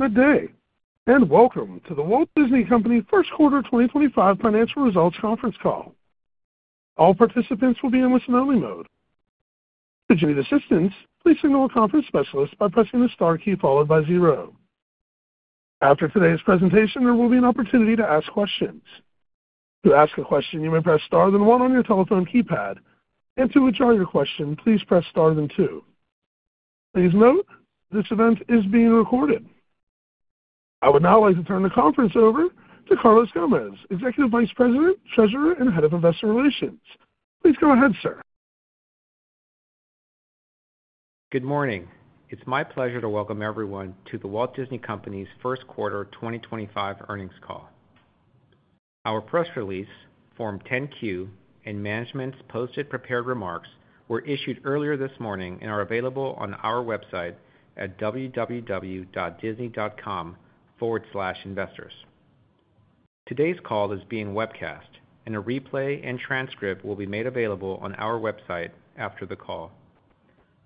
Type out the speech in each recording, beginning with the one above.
Good day, and welcome to The Walt Disney Company First Quarter 2025 Financial Results Conference Call. All participants will be in listen-only mode. Should you need assistance, please signal a conference specialist by pressing the star key followed by zero. After today's presentation, there will be an opportunity to ask questions. To ask a question, you may press * then 1 on your telephone keypad, and to withdraw your question, please press * then 2. Please note this event is being recorded. I would now like to turn the conference over to Carlos Gomez, Executive Vice President, Treasurer, and Head of Investor Relations. Please go ahead, sir. Good morning. It's my pleasure to welcome everyone to The Walt Disney Company's First Quarter 2025 Earnings Call. Our press release, Form 10-Q, and management's posted prepared remarks were issued earlier this morning and are available on our website at www.disney.com/investors. Today's call is being webcast, and a replay and transcript will be made available on our website after the call.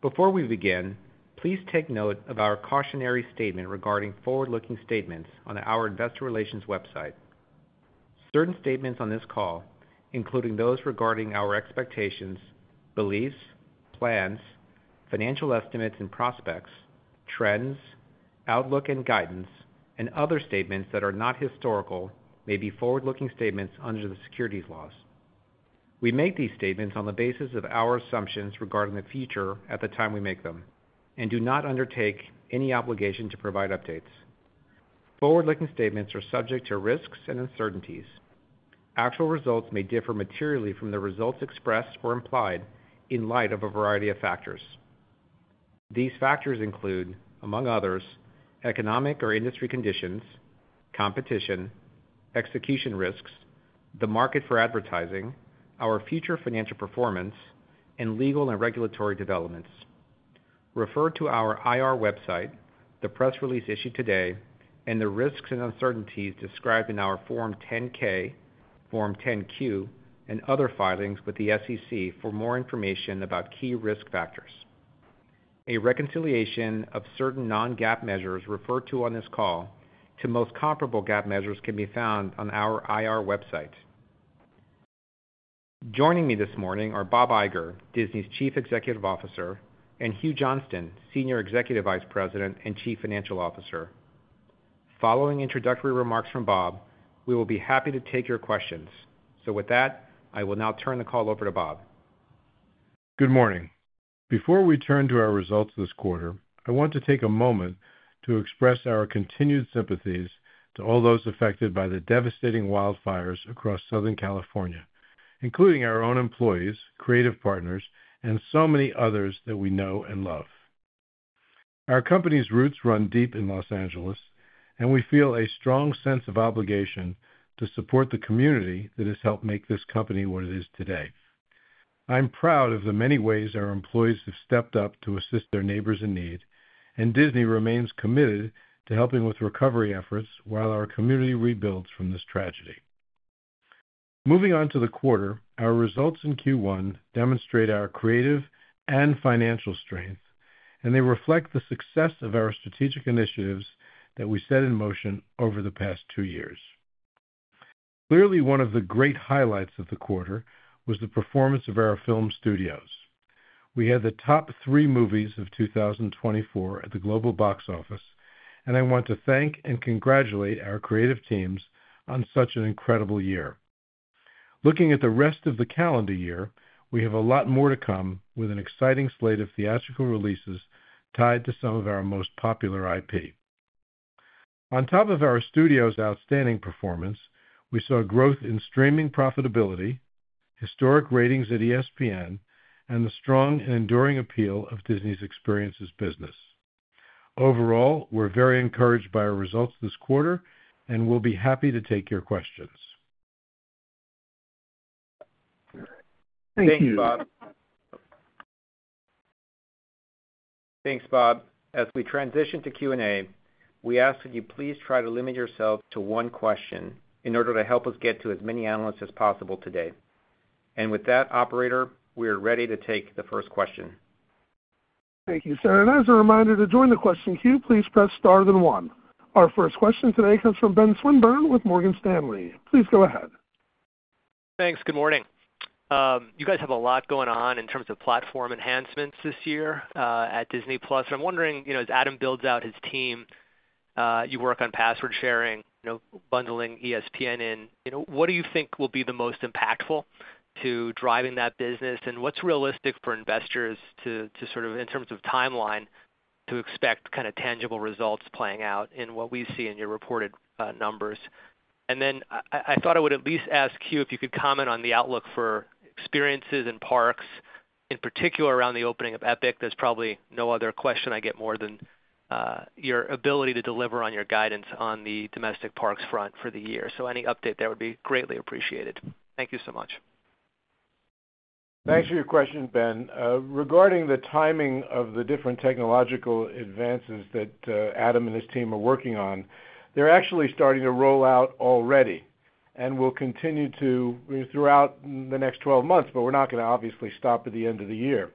Before we begin, please take note of our cautionary statement regarding forward-looking statements on our investor relations website. Certain statements on this call, including those regarding our expectations, beliefs, plans, financial estimates and prospects, trends, outlook and guidance, and other statements that are not historical, may be forward-looking statements under the securities laws. We make these statements on the basis of our assumptions regarding the future at the time we make them and do not undertake any obligation to provide updates. Forward-looking statements are subject to risks and uncertainties. Actual results may differ materially from the results expressed or implied in light of a variety of factors. These factors include, among others, economic or industry conditions, competition, execution risks, the market for advertising, our future financial performance, and legal and regulatory developments. Refer to our IR website, the press release issued today, and the risks and uncertainties described in our Form 10-K, Form 10-Q, and other filings with the SEC for more information about key risk factors. A reconciliation of certain non-GAAP measures referred to on this call to most comparable GAAP measures can be found on our IR website. Joining me this morning are Bob Iger, Disney's Chief Executive Officer, and Hugh Johnston, Senior Executive Vice President and Chief Financial Officer. Following introductory remarks from Bob, we will be happy to take your questions, so with that, I will now turn the call over to Bob. Good morning. Before we turn to our results this quarter, I want to take a moment to express our continued sympathies to all those affected by the devastating wildfires across Southern California, including our own employees, creative partners, and so many others that we know and love. Our company's roots run deep in Los Angeles, and we feel a strong sense of obligation to support the community that has helped make this company what it is today. I'm proud of the many ways our employees have stepped up to assist their neighbors in need, and Disney remains committed to helping with recovery efforts while our community rebuilds from this tragedy. Moving on to the quarter, our results in Q1 demonstrate our creative and financial strength, and they reflect the success of our strategic initiatives that we set in motion over the past two years. Clearly, one of the great highlights of the quarter was the performance of our film studios. We had the top three movies of 2024 at the global box office, and I want to thank and congratulate our creative teams on such an incredible year. Looking at the rest of the calendar year, we have a lot more to come with an exciting slate of theatrical releases tied to some of our most popular IP. On top of our studio's outstanding performance, we saw growth in streaming profitability, historic ratings at ESPN, and the strong and enduring appeal of Disney's Experiences business. Overall, we're very encouraged by our results this quarter and will be happy to take your questions. Thank you, Bob. Thanks, Bob. As we transition to Q&A, we ask that you please try to limit yourself to one question in order to help us get to as many analysts as possible today, and with that, Operator, we are ready to take the first question. Thank you, sir. And as a reminder to join the question Q, please press * then 1. Our first question today comes from Ben Swinburne with Morgan Stanley. Please go ahead. Hey, thanks. Good morning. You guys have a lot going on in terms of platform enhancements this year at Disney+. I'm wondering, as Adam builds out his team, you work on password sharing, bundling ESPN in. What do you think will be the most impactful to driving that business, and what's realistic for investors to sort of, in terms of timeline, to expect kind of tangible results playing out in what we see in your reported numbers? And then I thought I would at least ask Hugh if you could comment on the outlook for experiences and parks, in particular around the opening of Epic. There's probably no other question I get more than your ability to deliver on your guidance on the domestic parks front for the year. So any update there would be greatly appreciated. Thank you so much. Thanks for your question, Ben. Regarding the timing of the different technological advances that Adam and his team are working on, they're actually starting to roll out already and will continue to throughout the next 12 months, but we're not going to obviously stop at the end of the year.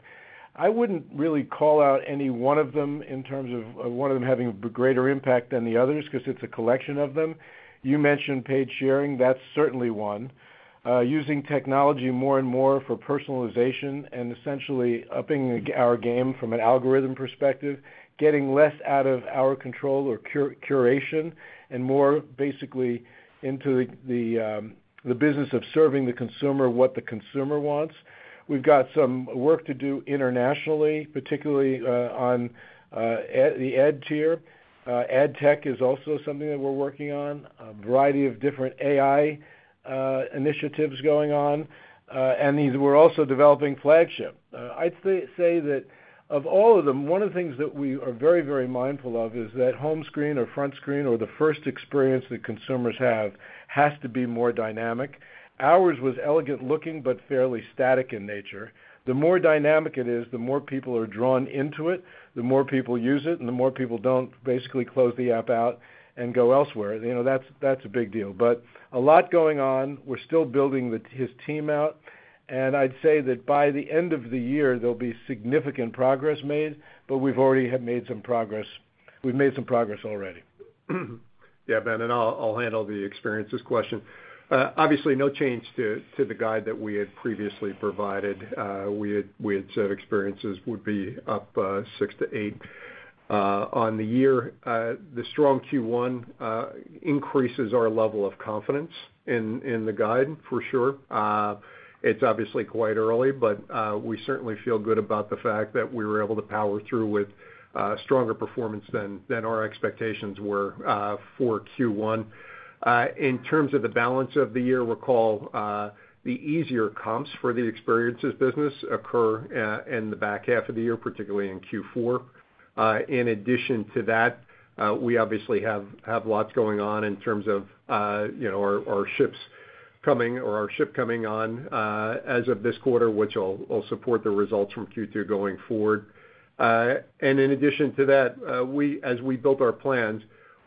I wouldn't really call out any one of them in terms of one of them having a greater impact than the others because it's a collection of them. You mentioned paid sharing. That's certainly one. Using technology more and more for personalization and essentially upping our game from an algorithm perspective, getting less out of our control or curation and more basically into the business of serving the consumer what the consumer wants. We've got some work to do internationally, particularly on the ad ad tech is also something that we're working on. A variety of different AI initiatives going on. And we're also developing Flagship. I'd say that of all of them, one of the things that we are very, very mindful of is that home screen or front screen or the first experience that consumers have has to be more dynamic. Ours was elegant looking but fairly static in nature. The more dynamic it is, the more people are drawn into it, the more people use it, and the more people don't basically close the app out and go elsewhere. That's a big deal. But a lot going on. We're still building his team out. And I'd say that by the end of the year, there'll be significant progress made, but we've already made some progress. We've made some progress already. Yeah, Ben, and I'll handle the experiences question. Obviously, no change to the guide that we had previously provided. We had said experiences would be up six to eight on the year. The strong Q1 increases our level of confidence in the guide, for sure. It's obviously quite early, but we certainly feel good about the fact that we were able to power through with stronger performance than our expectations were for Q1. In terms of the balance of the year, recall, the easier comps for the experiences business occur in the back half of the year, particularly in Q4. In addition to that, we obviously have lots going on in terms of our ships coming or our ship coming on as of this quarter, which will support the results from Q2 going forward, and in addition to that, as we built our plans,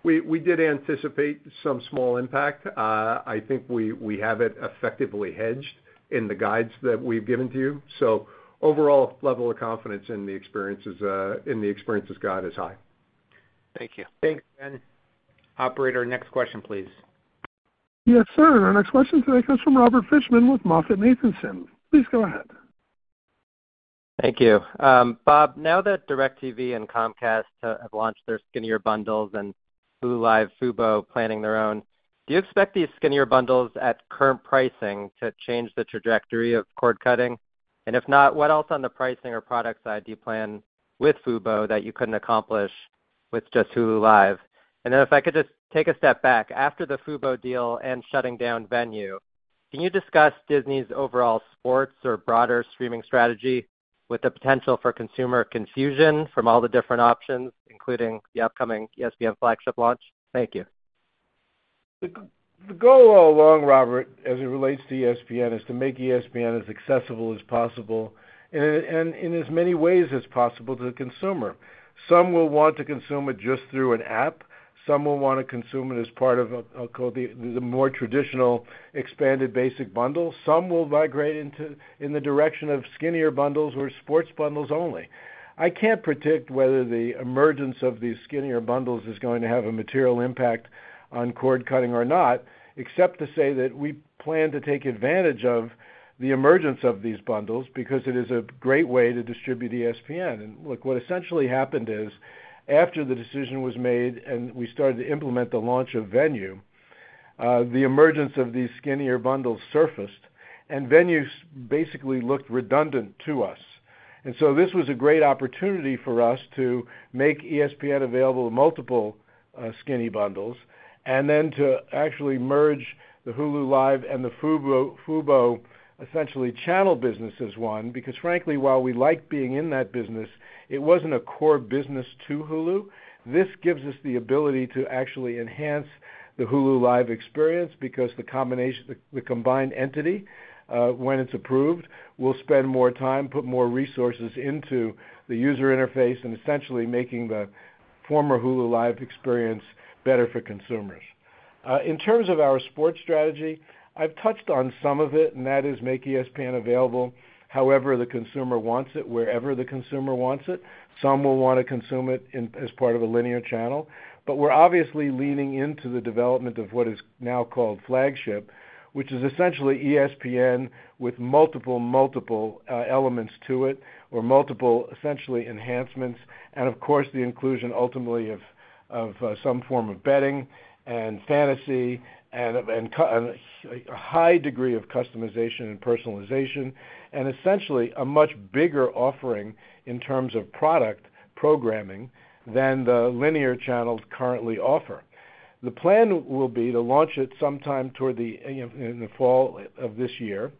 we did anticipate some small impact. I think we have it effectively hedged in the guides that we've given to you. So overall level of confidence in the experiences guide is high. Thank you. Thanks, Ben. Operator, next question, please. Yes, sir. Our next question today comes from Robert Fishman with MoffettNathanson. Please go ahead. Thank you. Bob, now that DIRECTV and Comcast have launched their skinny bundles and Hulu Live, Fubo planning their own, do you expect these skinny bundles at current pricing to change the trajectory of cord cutting? And if not, what else on the pricing or product side do you plan with Fubo that you couldn't accomplish with just Hulu Live? And then if I could just take a step back, after the Fubo deal and shutting down Venu, can you discuss Disney's overall sports or broader streaming strategy with the potential for consumer confusion from all the different options, including the upcoming ESPN Flagship launch? Thank you. The goal all along, Robert, as it relates to ESPN, is to make ESPN as accessible as possible and in as many ways as possible to the consumer. Some will want to consume it just through an app. Some will want to consume it as part of the more traditional expanded basic bundle. Some will migrate in the direction of skinnier bundles or sports bundles only. I can't predict whether the emergence of these skinnier bundles is going to have a material impact on cord cutting or not, except to say that we plan to take advantage of the emergence of these bundles because it is a great way to distribute ESPN. Look, what essentially happened is after the decision was made and we started to implement the launch of Venu, the emergence of these skinnier bundles surfaced, and Venu's basically looked redundant to us. And so this was a great opportunity for us to make ESPN available multiple skinny bundles and then to actually merge the Hulu Live and the Fubo essentially channel business as one because, frankly, while we like being in that business, it wasn't a core business to Hulu. This gives us the ability to actually enhance the Hulu Live experience because the combined entity, when it's approved, will spend more time, put more resources into the user interface, and essentially making the former Hulu Live experience better for consumers. In terms of our sports strategy, I've touched on some of it, and that is make ESPN available however the consumer wants it, wherever the consumer wants it. Some will want to consume it as part of a linear channel, but we're obviously leaning into the development of what is now called Flagship, which is essentially ESPN with multiple, multiple elements to it or multiple essentially enhancements, and of course, the inclusion ultimately of some form of betting and fantasy and a high degree of customization and personalization, and essentially a much bigger offering in terms of product programming than the linear channels currently offer. The plan will be to launch it sometime toward the fall of this year.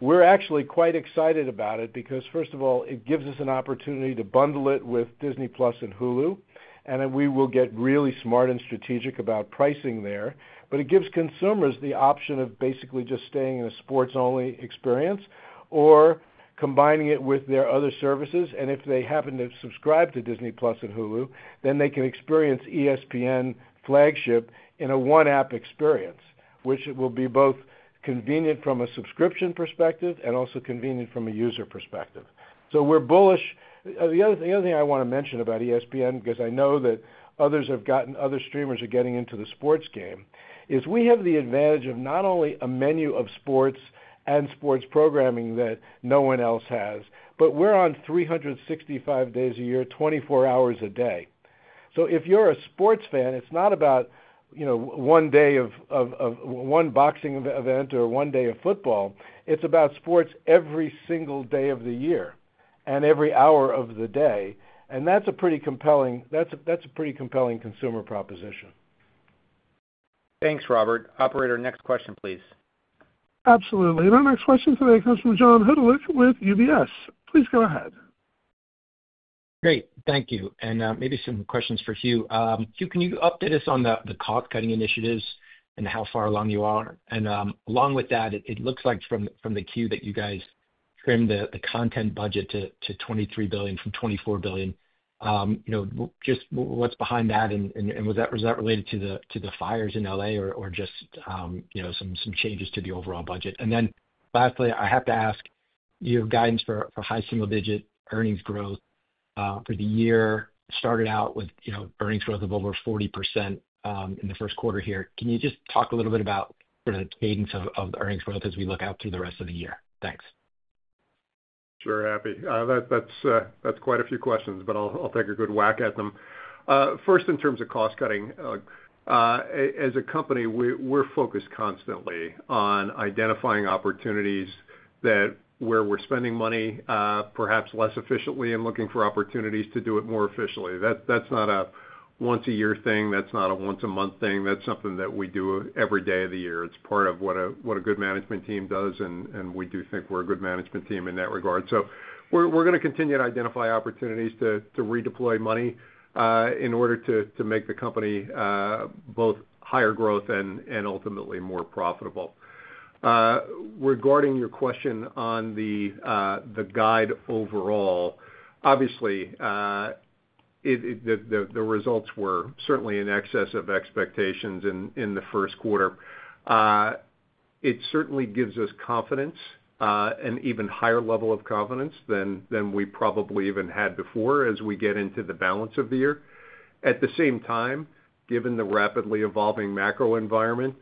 We're actually quite excited about it because, first of all, it gives us an opportunity to bundle it with Disney+ and Hulu, and we will get really smart and strategic about pricing there, but it gives consumers the option of basically just staying in a sports-only experience or combining it with their other services. And if they happen to subscribe to Disney+ and Hulu, then they can experience ESPN Flagship in a one-app experience, which will be both convenient from a subscription perspective and also convenient from a user perspective. So we're bullish. The other thing I want to mention about ESPN, because I know that others, other streamers are getting into the sports game, is we have the advantage of not only a menu of sports and sports programming that no one else has, but we're on 365 days a year, 24 hours a day. So if you're a sports fan, it's not about one day of one boxing event or one day of football. It's about sports every single day of the year and every hour of the day. And that's a pretty compelling consumer proposition. Thanks, Robert. Operator, next question, please. Absolutely. Our next question today comes from John Hodulik with UBS. Please go ahead. Great. Thank you. And maybe some questions for Hugh. Hugh, can you update us on the cord cutting initiatives and how far along you are? And along with that, it looks like from the queue that you guys trimmed the content budget to $23 billion from $24 billion. Just what's behind that? And was that related to the fires in LA or just some changes to the overall budget? And then lastly, I have to ask your guidance for high single-digit earnings growth for the year started out with earnings growth of over 40% in the first quarter here. Can you just talk a little bit about sort of the cadence of earnings growth as we look out through the rest of the year? Thanks. Sure, happy. That's quite a few questions, but I'll take a good whack at them. First, in terms of cost cutting, as a company, we're focused constantly on identifying opportunities where we're spending money perhaps less efficiently and looking for opportunities to do it more efficiently. That's not a once-a-year thing. That's not a once-a-month thing. That's something that we do every day of the year. It's part of what a good management team does, and we do think we're a good management team in that regard. So we're going to continue to identify opportunities to redeploy money in order to make the company both higher growth and ultimately more profitable. Regarding your question on the guide overall, obviously, the results were certainly in excess of expectations in the first quarter. It certainly gives us confidence, an even higher level of confidence than we probably even had before as we get into the balance of the year. At the same time, given the rapidly evolving macro environment,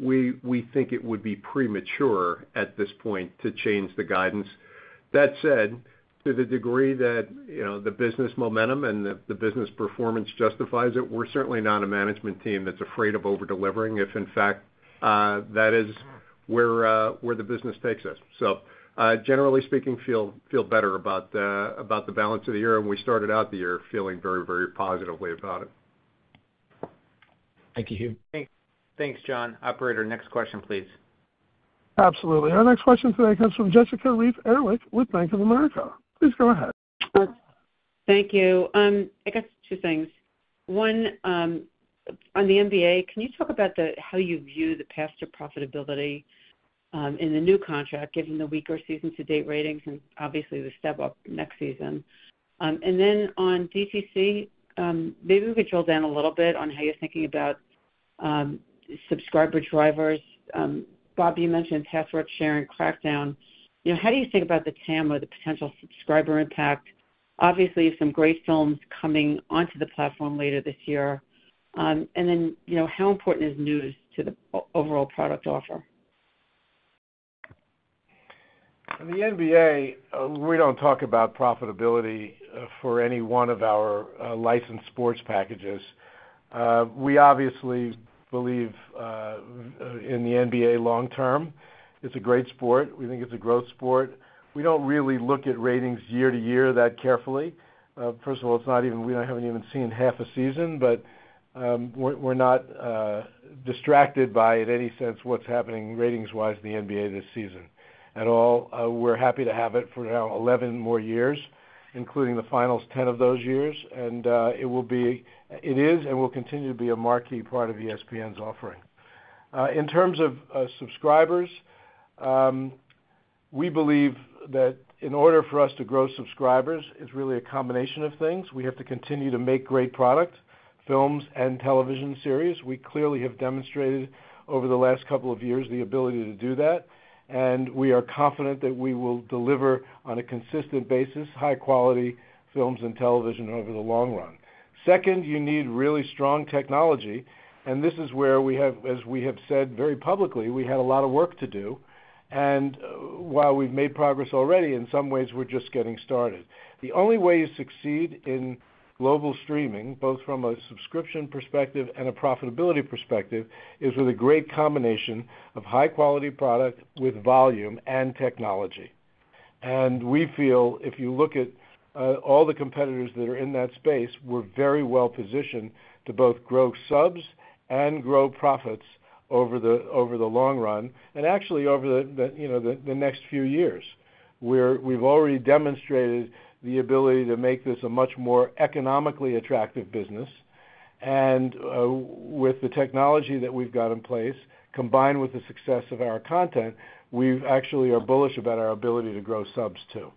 we think it would be premature at this point to change the guidance. That said, to the degree that the business momentum and the business performance justifies it, we're certainly not a management team that's afraid of overdelivering if, in fact, that is where the business takes us. So generally speaking, feel better about the balance of the year, and we started out the year feeling very, very positively about it. Thank you, Hugh. Thanks, John. Operator, next question, please. Absolutely. Our next question today comes from Jessica Reif Ehrlich with Bank of America. Please go ahead. Thank you. I guess two things. One, on the NBA, can you talk about how you view the path to profitability in the new contract, given the weaker season-to-date ratings and obviously the step-up next season? And then on DTC, maybe we could drill down a little bit on how you're thinking about subscriber drivers. Bob, you mentioned password sharing crackdown. How do you think about the TAM or the potential subscriber impact? Obviously, some great films coming onto the platform later this year. And then how important is news to the overall product offer? In the NBA, we don't talk about profitability for any one of our licensed sports packages. We obviously believe in the NBA long-term. It's a great sport. We think it's a growth sport. We don't really look at ratings year to year that carefully. First of all, we haven't even seen half a season, but we're not distracted by, in any sense, what's happening ratings-wise in the NBA this season at all. We're happy to have it for now, 11 more years, including the finals 10 of those years, and it is and will continue to be a marquee part of ESPN's offering. In terms of subscribers, we believe that in order for us to grow subscribers, it's really a combination of things. We have to continue to make great product, films, and television series. We clearly have demonstrated over the last couple of years the ability to do that. And we are confident that we will deliver on a consistent basis, high-quality films and television over the long run. Second, you need really strong technology. And this is where we have, as we have said very publicly, we had a lot of work to do. And while we've made progress already, in some ways, we're just getting started. The only way you succeed in global streaming, both from a subscription perspective and a profitability perspective, is with a great combination of high-quality product with volume and technology. And we feel if you look at all the competitors that are in that space, we're very well positioned to both grow subs and grow profits over the long run and actually over the next few years. We've already demonstrated the ability to make this a much more economically attractive business. With the technology that we've got in place, combined with the success of our content, we actually are bullish about our ability to grow subs too.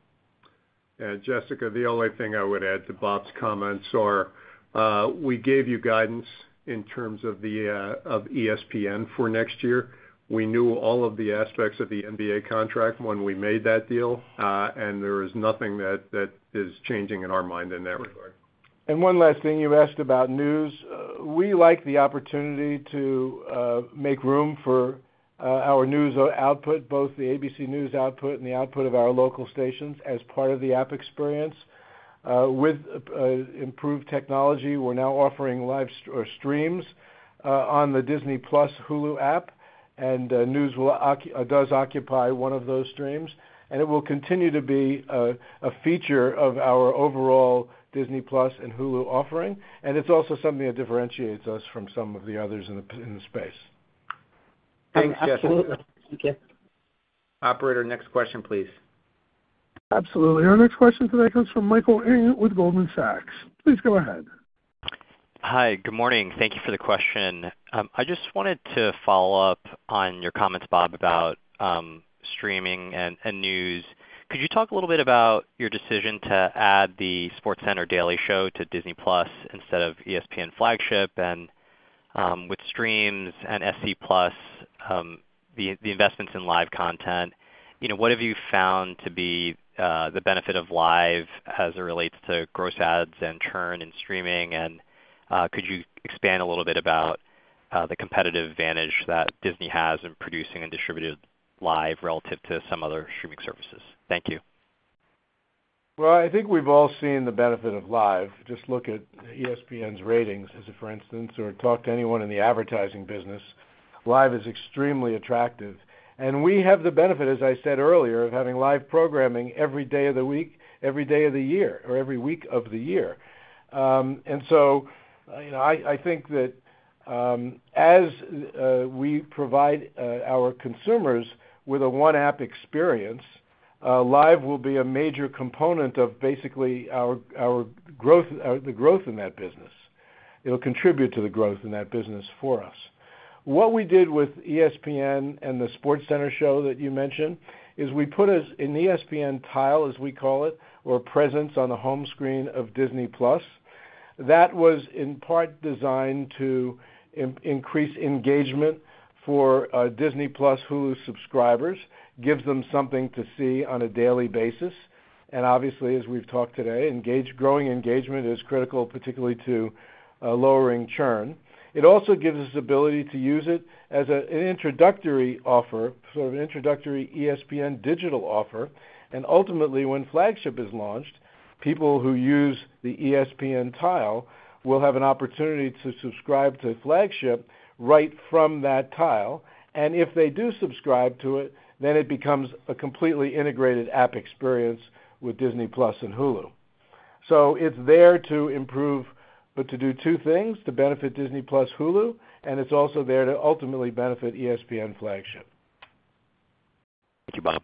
Jessica, the only thing I would add to Bob's comments are we gave you guidance in terms of ESPN for next year. We knew all of the aspects of the NBA contract when we made that deal. There is nothing that is changing in our mind in that regard. And one last thing. You asked about news. We like the opportunity to make room for our news output, both the ABC News output and the output of our local stations as part of the app experience. With improved technology, we're now offering live streams on the Disney+ Hulu app. And news does occupy one of those streams. And it will continue to be a feature of our overall Disney+ and Hulu offering. And it's also something that differentiates us from some of the others in the space. Thanks, Jessica. Absolutely. Thank you. Operator, next question, please. Absolutely. Our next question today comes from Michael Ng with Goldman Sachs. Please go ahead. Hi, good morning. Thank you for the question. I just wanted to follow up on your comments, Bob, about streaming and news. Could you talk a little bit about your decision to SportsCenter daily show to disney+ instead of ESPN Flagship? And with streaming and ESPN+, the investments in live content, what have you found to be the benefit of live as it relates to gross ads and churn in streaming? And could you expand a little bit about the competitive advantage that Disney has in producing and distributing live relative to some other streaming services? Thank you. I think we've all seen the benefit of live. Just look at ESPN's ratings, for instance, or talk to anyone in the advertising business. Live is extremely attractive. We have the benefit, as I said earlier, of having live programming every day of the week, every day of the year, or every week of the year. I think that as we provide our consumers with a one-app experience, live will be a major component of basically the growth in that business. It'll contribute to the growth in that business for us. What we did with ESPN and the SportsCenter Show that you mentioned is we put an ESPN tile, as we call it, or presence on the home screen of Disney+. That was in part designed to increase engagement for Disney+ Hulu subscribers, gives them something to see on a daily basis. And obviously, as we've talked today, growing engagement is critical, particularly to lowering churn. It also gives us the ability to use it as an introductory offer, sort of an introductory ESPN digital offer. And ultimately, when Flagship is launched, people who use the ESPN tile will have an opportunity to subscribe to Flagship right from that tile. And if they do subscribe to it, then it becomes a completely integrated app experience with Disney+ and Hulu. So it's there to improve, but to do two things: to benefit Disney+ Hulu, and it's also there to ultimately benefit ESPN Flagship. Thank you, Bob.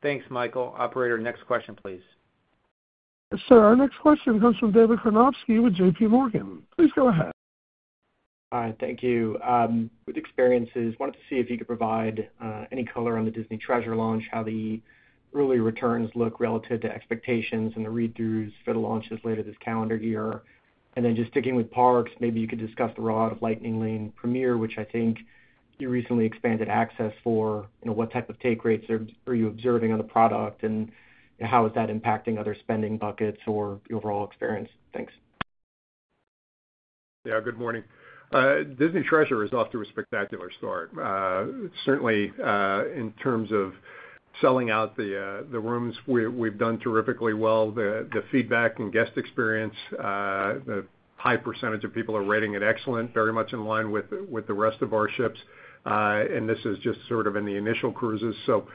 Thanks, Michael. Operator, next question, please. Sir, our next question comes from David Karnovsky with JPMorgan. Please go ahead. All right. Thank you. With experiences, wanted to see if you could provide any color on the Disney Treasure launch, how the early returns look relative to expectations and the read-throughs for the launches later this calendar year. And then just sticking with parks, maybe you could discuss the rollout of Lightning Lane Premier, which I think you recently expanded access for. What type of take rates are you observing on the product, and how is that impacting other spending buckets or the overall experience? Thanks. Yeah, good morning. Disney Treasure is off to a spectacular start. Certainly, in terms of selling out the rooms, we've done terrifically well. The feedback and guest experience, the high percentage of people are rating it excellent, very much in line with the rest of our ships. And this is just sort of in the initial cruises. So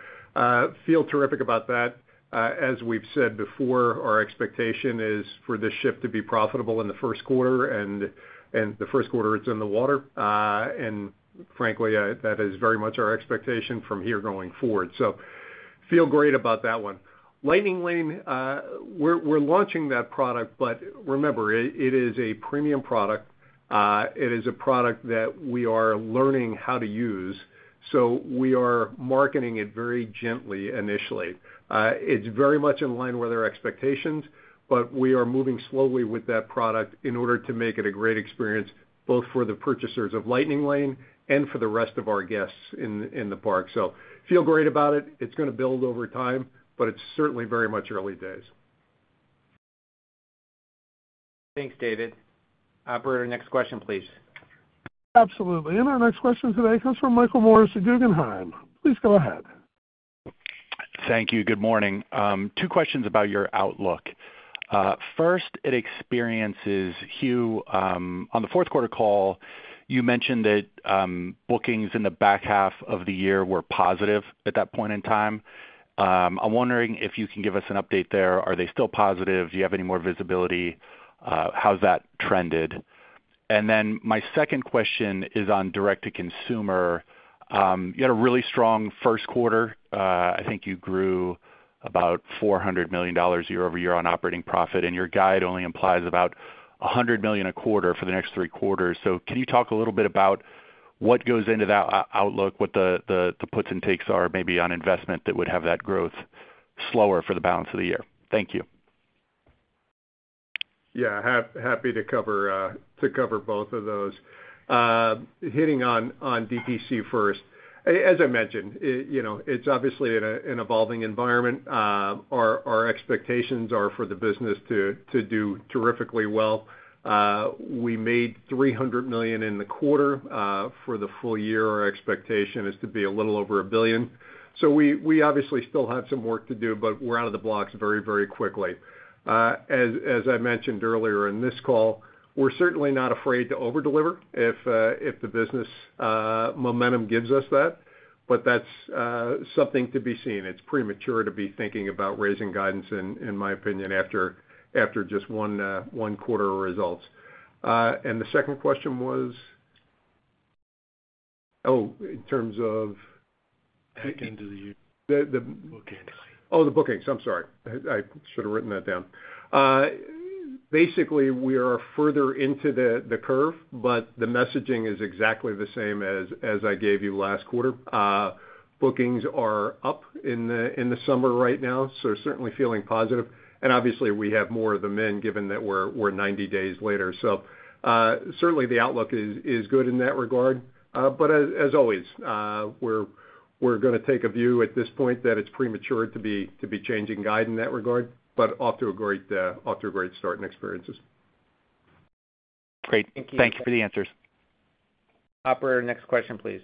feel terrific about that. As we've said before, our expectation is for this ship to be profitable in the first quarter, and the first quarter, it's in the water. And frankly, that is very much our expectation from here going forward. So feel great about that one. Lightning Lane, we're launching that product, but remember, it is a premium product. It is a product that we are learning how to use. So we are marketing it very gently initially. It's very much in line with our expectations, but we are moving slowly with that product in order to make it a great experience both for the purchasers of Lightning Lane and for the rest of our guests in the park. So feel great about it. It's going to build over time, but it's certainly very much early days. Thanks, David. Operator, next question, please. Absolutely. And our next question today comes from Michael Morris at Guggenheim. Please go ahead. Thank you. Good morning. Two questions about your outlook. First, to Hugh. On the fourth quarter call, you mentioned that bookings in the back half of the year were positive at that point in time. I'm wondering if you can give us an update there. Are they still positive? Do you have any more visibility? How's that trended? And then my second question is on direct-to-consumer. You had a really strong first quarter. I think you grew about $400 million year over year on operating profit. And your guide only implies about $100 million a quarter for the next three quarters. So can you talk a little bit about what goes into that outlook, what the puts and takes are maybe on investment that would have that growth slower for the balance of the year? Thank you. Yeah, happy to cover both of those. Hitting on DTC first, as I mentioned, it's obviously an evolving environment. Our expectations are for the business to do terrifically well. We made $300 million in the quarter. For the full year, our expectation is to be a little over $1 billion. So we obviously still have some work to do, but we're out of the blocks very, very quickly. As I mentioned earlier in this call, we're certainly not afraid to overdeliver if the business momentum gives us that. But that's something to be seen. It's premature to be thinking about raising guidance, in my opinion, after just one quarter of results. The second question was, oh, in terms of. At the end of the year. The bookings. Oh, the bookings. I'm sorry. I should have written that down. Basically, we are further into the curve, but the messaging is exactly the same as I gave you last quarter. Bookings are up in the summer right now, so certainly feeling positive. And obviously, we have more of the menu given that we're 90 days later. So certainly, the outlook is good in that regard. But as always, we're going to take a view at this point that it's premature to be changing guidance in that regard, but off to a great start in experiences. Great. Thank you. Thank you for the answers. Operator, next question, please.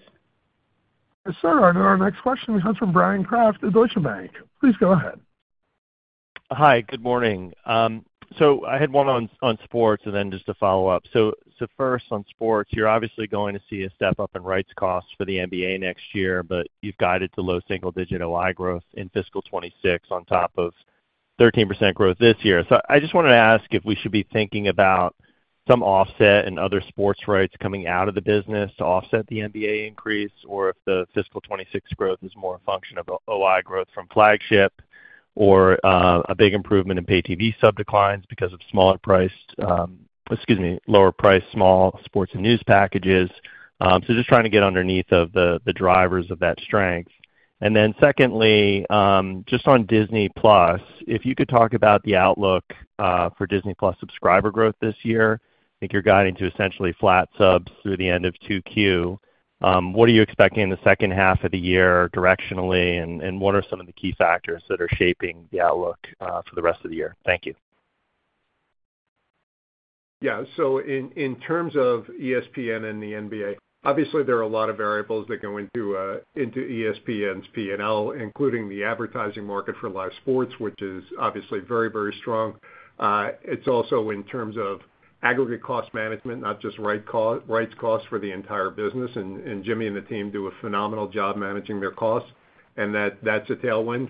Sir, our next question comes from Bryan Kraft at Deutsche Bank. Please go ahead. Hi, good morning. So I had one on sports and then just a follow-up. So first, on sports, you're obviously going to see a step up in rights costs for the NBA next year, but you've guided to low single-digit OI growth in fiscal 2026 on top of 13% growth this year. So I just wanted to ask if we should be thinking about some offset and other sports rights coming out of the business to offset the NBA increase, or if the fiscal 2026 growth is more a function of OI growth from Flagship or a big improvement in pay-TV sub declines because of smaller-priced, excuse me, lower-priced small sports and news packages. So just trying to get underneath of the drivers of that strength. And then secondly, just on Disney+, if you could talk about the outlook for Disney+ subscriber growth this year, I think you're guiding to essentially flat subs through the end of Q2. What are you expecting in the second half of the year directionally, and what are some of the key factors that are shaping the outlook for the rest of the year? Thank you. Yeah, so in terms of ESPN and the NBA, obviously, there are a lot of variables that go into ESPN's P&L, including the advertising market for live sports, which is obviously very, very strong. It's also in terms of aggregate cost management, not just rights costs for the entire business. And Jimmy and the team do a phenomenal job managing their costs. And that's a tailwind.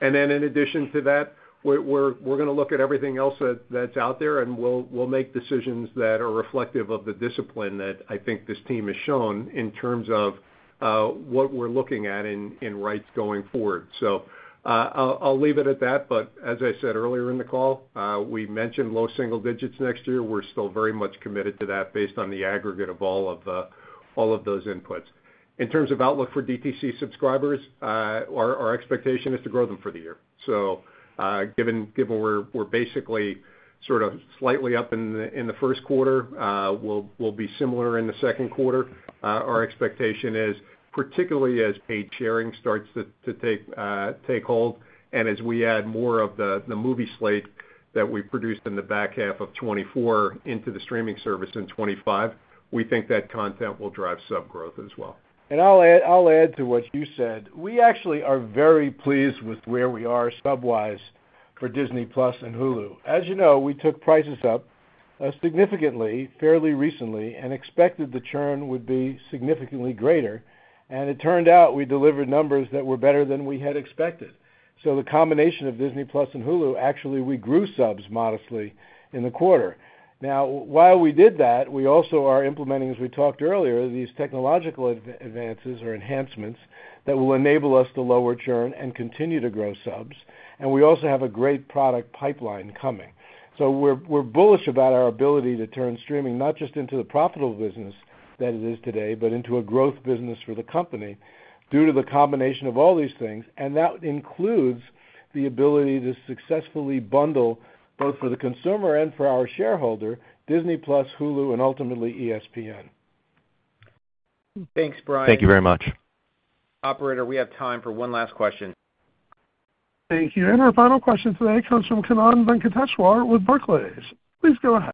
And then in addition to that, we're going to look at everything else that's out there, and we'll make decisions that are reflective of the discipline that I think this team has shown in terms of what we're looking at in rights going forward. So I'll leave it at that. But as I said earlier in the call, we mentioned low single digits next year. We're still very much committed to that based on the aggregate of all of those inputs. In terms of outlook for DTC subscribers, our expectation is to grow them for the year, so given we're basically sort of slightly up in the first quarter, we'll be similar in the second quarter. Our expectation is, particularly as paid sharing starts to take hold and as we add more of the movie slate that we produced in the back half of 2024 into the streaming service in 2025, we think that content will drive sub growth as well. And I'll add to what you said. We actually are very pleased with where we are sub-wise for Disney+ and Hulu. As you know, we took prices up significantly fairly recently and expected the churn would be significantly greater. And it turned out we delivered numbers that were better than we had expected. So the combination of Disney+ and Hulu, actually, we grew subs modestly in the quarter. Now, while we did that, we also are implementing, as we talked earlier, these technological advances or enhancements that will enable us to lower churn and continue to grow subs. And we also have a great product pipeline coming. So we're bullish about our ability to turn streaming not just into the profitable business that it is today, but into a growth business for the company due to the combination of all these things. That includes the ability to successfully bundle both for the consumer and for our shareholder, Disney+, Hulu, and ultimately ESPN. Thanks, Brian. Thank you very much. Operator, we have time for one last question. Thank you. And our final question today comes from Kannan Venkateshwar with Barclays. Please go ahead.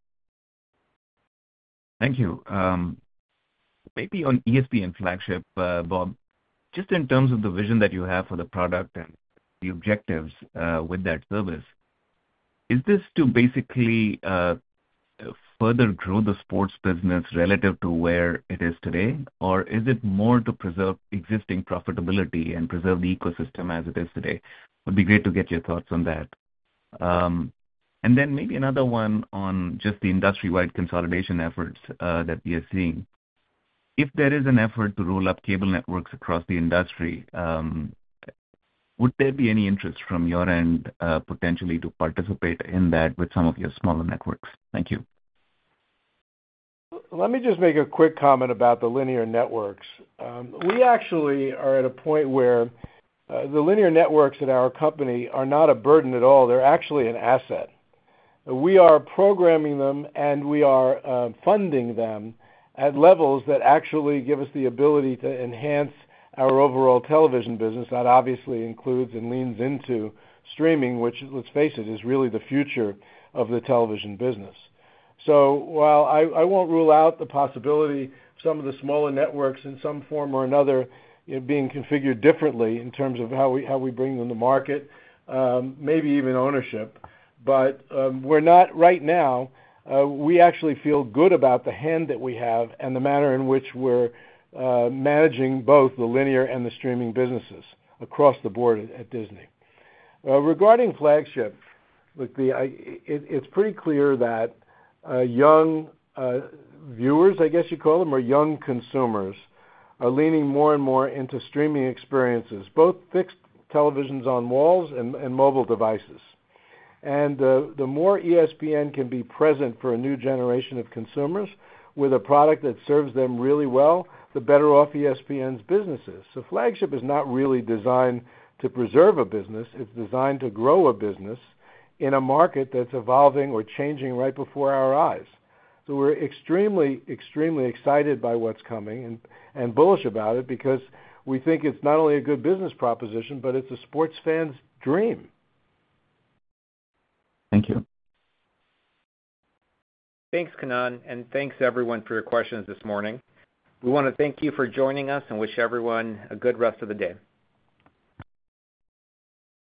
Thank you. Maybe on ESPN Flagship, Bob, just in terms of the vision that you have for the product and the objectives with that service, is this to basically further grow the sports business relative to where it is today, or is it more to preserve existing profitability and preserve the ecosystem as it is today? It would be great to get your thoughts on that. And then maybe another one on just the industry-wide consolidation efforts that we are seeing. If there is an effort to roll up cable networks across the industry, would there be any interest from your end potentially to participate in that with some of your smaller networks? Thank you. Let me just make a quick comment about the linear networks. We actually are at a point where the linear networks at our company are not a burden at all. They're actually an asset. We are programming them, and we are funding them at levels that actually give us the ability to enhance our overall television business. That obviously includes and leans into streaming, which, let's face it, is really the future of the television business. So while I won't rule out the possibility of some of the smaller networks in some form or another being configured differently in terms of how we bring them to market, maybe even ownership, but we're not right now. We actually feel good about the hand that we have and the manner in which we're managing both the linear and the streaming businesses across the board at Disney. Regarding Flagship, it's pretty clear that young viewers, I guess you'd call them, or young consumers are leaning more and more into streaming experiences, both fixed televisions on walls and mobile devices. And the more ESPN can be present for a new generation of consumers with a product that serves them really well, the better off ESPN's business is. So Flagship is not really designed to preserve a business. It's designed to grow a business in a market that's evolving or changing right before our eyes. So we're extremely, extremely excited by what's coming and bullish about it because we think it's not only a good business proposition, but it's a sports fan's dream. Thank you. Thanks, Kannan, and thanks everyone for your questions this morning. We want to thank you for joining us and wish everyone a good rest of the day.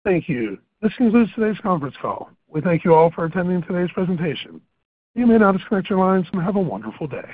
Thank you. This concludes today's conference call. We thank you all for attending today's presentation. You may now disconnect your lines and have a wonderful day.